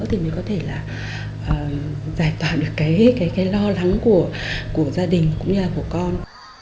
thì mới có thể là giải tỏa được cái lo lắng của gia đình cũng như là của con